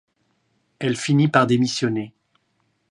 Elle finit par démissionner.